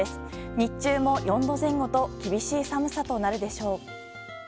日中も４度前後と厳しい寒さとなるでしょう。